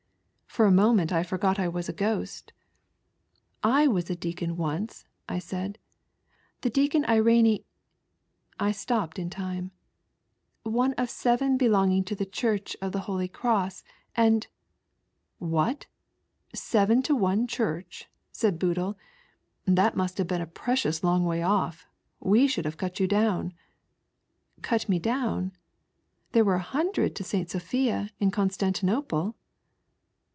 For a moment I forgot I was a ghost. I was a deacon once," I said, "the deacon lEB ..." I stopped in time, " One of seven be longing to the Church of Holy Cross, and " What, seven to one Church ?" said Boodle, "that mast have been a precious long way off, we should have cut you down." "Cut me down? There were a hundred to S. Sophia, in Constantinople."